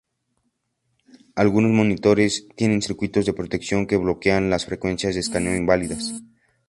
Algunos monitores tienen circuitos de protección que bloquean las frecuencias de escaneo inválidas.